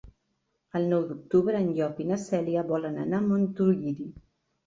El nou d'octubre en Llop i na Cèlia volen anar a Montuïri.